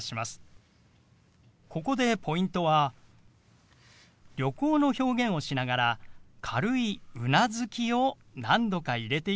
ここでポイントは「旅行」の表現をしながら軽いうなずきを何度か入れていたことです。